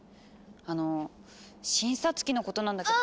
あの診察機のことなんだけど。